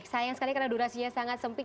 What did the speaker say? sayang sekali karena durasinya sangat sempit